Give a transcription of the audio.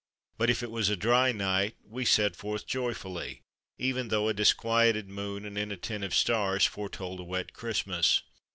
But if it was a dry night, we set forth joyfully, even though a disquieted moon and inat tentive stars foretold a wet Christmas.